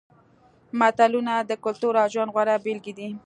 متلونه د کلتور او ژوند غوره بېلګې دي